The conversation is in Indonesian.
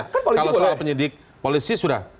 kalau soal penyidik polisi sudah